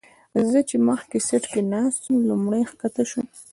زه چې مخکې سیټ کې ناست وم لومړی ښکته شوم.